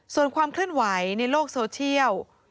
ส่วนความเคลื่อนไหวในโลกโซเชียล